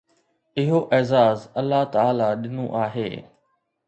اهو اعزاز الله تعاليٰ ڏنو آهي.